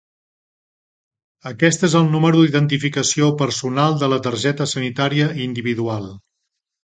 Aquest és el número d'identificació personal de la targeta sanitària individual.